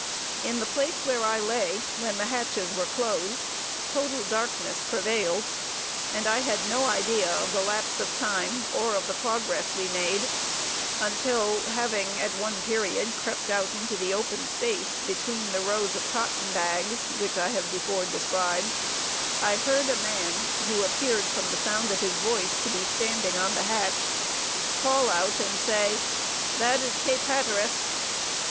In the place where I lay, when the hatches were closed, total darkness prevailed; and I had no idea of the lapse of time, or of the progress we made, until, having at one period crept out into the open space, between the rows of cotton bags, which I have before described, I heard a man, who appeared from the sound of his voice to be standing on the hatch, call out and say, "That is Cape Hatteras."